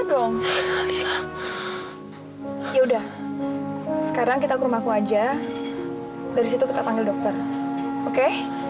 dong yaudah sekarang kita ke rumahku aja dari situ kita panggil dokter oke